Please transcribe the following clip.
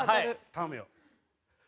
頼むよ。